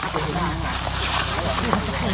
เก็บท่าใช่มั้ย